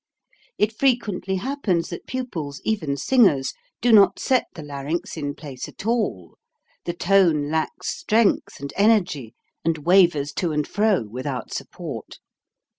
It frequently happens that pupils, even singers, do not set the larynx in place at all; the tone lacks strength and energy and wavers to and fro without sup port.